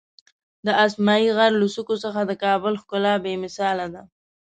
د اسمایي غر له څوکو څخه د کابل ښکلا بېمثاله ده.